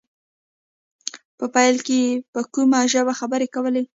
په پيل کې يې په کومه ژبه خبرې کولې.